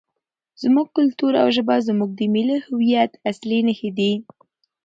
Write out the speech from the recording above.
زموږ کلتور او ژبه زموږ د ملي هویت اصلي نښې دي.